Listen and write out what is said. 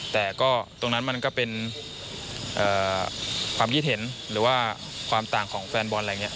แต่ก็ตรงนั้นมันก็เป็นความคิดเห็นหรือว่าความต่างของแฟนบอลอะไรอย่างนี้